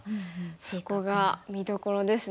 そこが見どころですね。